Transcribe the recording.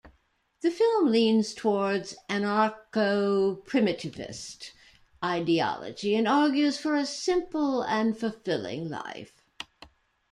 The film leans towards anarcho-primitivist ideology and argues for 'a simple and fulfilling life'.